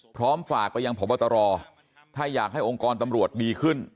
พร้อมฝากไปยังพบตรถ้าอยากให้องค์กรตำรวจดีขึ้น